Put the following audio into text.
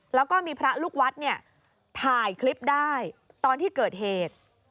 และก็มีพระหลุกวัดถ่ายคลิปได้ตอนที่เกิดเหตุ